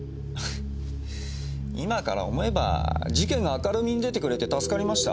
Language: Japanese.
今から思えば事件が明るみに出てくれて助かりました。